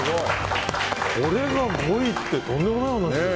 これが５位ってとんでもない話ですよ。